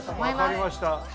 わかりました。